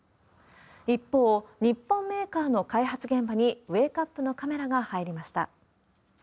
一方、日本メーカーの開発現場にウェークアップのカメラが入りました。